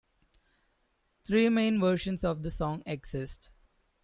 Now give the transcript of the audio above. Three main versions of the song exist.